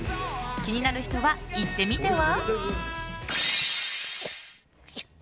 気になる人は行ってみては？